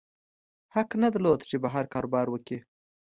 حق نه درلود چې بهر کاروبار وکړي.